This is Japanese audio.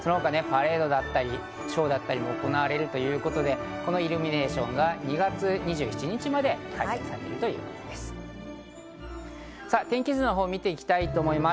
その他、パレードだったりショーだったりも行われるということで、このイルミネーションが２月２７日まで開催されるということです。